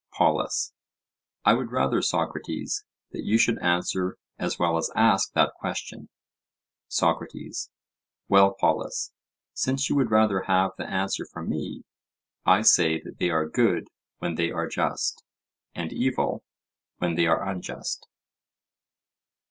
POLUS: I would rather, Socrates, that you should answer as well as ask that question. SOCRATES: Well, Polus, since you would rather have the answer from me, I say that they are good when they are just, and evil when they are unjust.